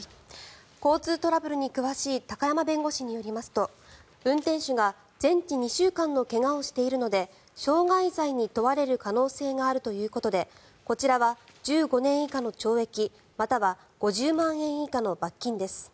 交通トラブルに詳しい高山弁護士によりますと運転手が全治２週間の怪我をしているので傷害罪に問われる可能性があるということでこちらは１５年以下の懲役または５０万円以下の罰金です。